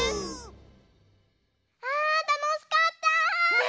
あたのしかった！ね。